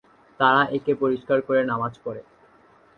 তাঁরা একে পরিষ্কার করে নামাজ পড়ে।